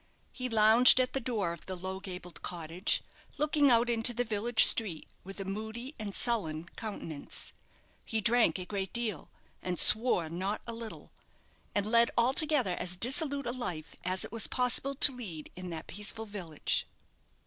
He lounged at the door of the low gabled cottage, looking out into the village street with a moody and sullen countenance. He drank a great deal, and swore not a little, and led altogether as dissolute a life as it was possible to lead in that peaceful village.